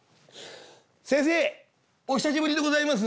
「先生お久しぶりでございます」。